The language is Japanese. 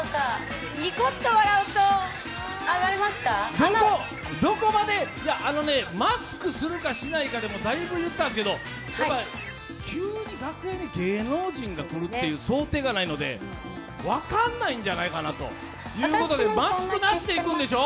ニコッと笑うとマスクするかしないかでもだいぶ言ったんですけど、急に楽屋に芸能人が来るという想定がないので分からないんじゃないかなということでマスクなしでいくんでしょ？